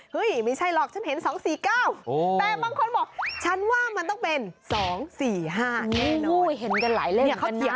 ครับอันนี้